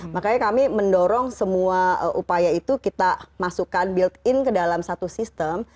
makanya kami mendorong semua upaya itu kita masukkan build in ke dalam satu sistem